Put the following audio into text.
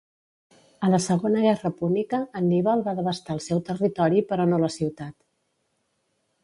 A la Segona Guerra Púnica Anníbal va devastar el seu territori però no la ciutat.